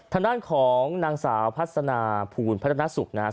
ทางด้านของนางสาวพัฒนาภูลพัฒนาสุขนะครับ